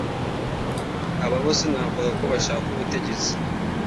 Aba bo sinavuga ko bashaka ubutegetsi